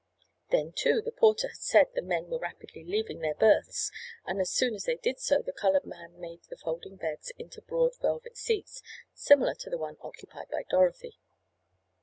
Then, too, the porter had said the men were rapidly leaving their berths and as soon as they did so the colored man made the folding beds into broad velvet seats, similar to the one occupied by Dorothy.